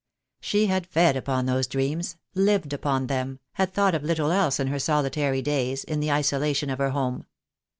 She had fed upon those dreams, lived upon them, had thought of little else in her solitary days, in the isolation of her home.